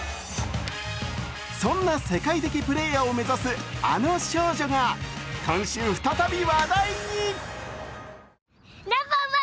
そんな世界的プレーヤーを目指すあの少女が今週、再び話題に。